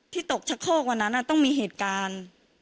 ตกชะโคกวันนั้นต้องมีเหตุการณ์